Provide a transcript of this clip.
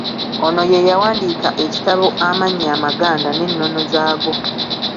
Ono ye yawandiika ekitabo Amannya amaganda n'ennono zaago.